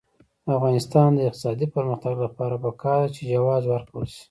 د افغانستان د اقتصادي پرمختګ لپاره پکار ده چې جواز ورکول شي.